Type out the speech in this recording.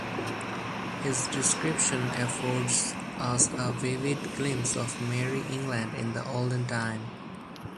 His description affords us a vivid glimpse of merry England in the olden time.